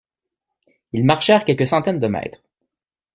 Ils marchèrent quelques centaines de mètres.